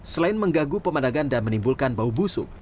selain mengganggu pemandangan dan menimbulkan bau busuk